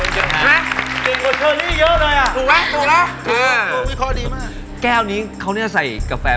เจนกว่าเชิญนี้เยอะเลย